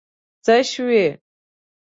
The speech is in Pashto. څه شوي؟